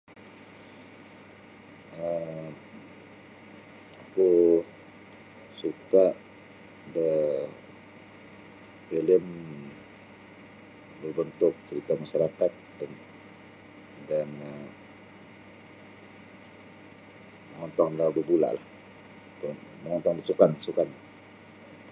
um oku suka da filem berbentuk cerita masarakat dan dan um mongontong babula mongontong da sukan sukan.